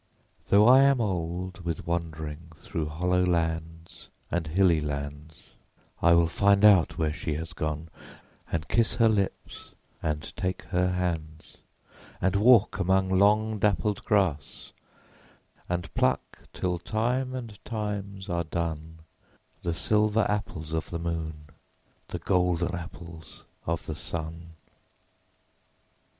Though I am old with wandering Through hollow lands and hilly lands, I will find out where she has gone, And kiss her lips and take her hands; And walk among long dappled grass, And pluck till time and times are done The silver apples of the moon, The golden apples of the sun.